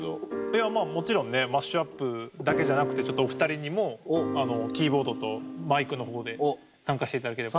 いやまあもちろんねマッシュアップだけじゃなくてちょっとお二人にもキーボードとマイクの方で参加していただければ。